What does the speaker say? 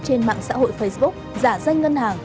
trên mạng xã hội facebook giả danh ngân hàng